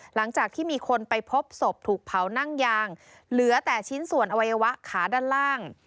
หลังจากที่มีคนไปพบศพถูกเผานั่งยางเหลือแต่ชิ้นส่วนอวัยวะขาด้านล่าง